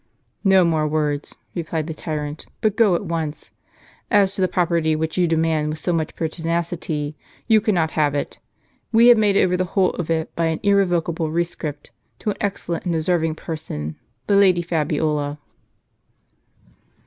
"No more words," replied the tyrant, "but go at once. As to the property which you demand with so much pertinac ity, you cannot have it. We have made over the Avhole of it, by an irrevocable rescript, to an excellent and deserving per son, the Lady Fabiola."